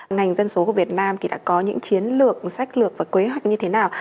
ngành dân số của việt nam thì đã có những chiến lược sách lược và kế hoạch như thế nào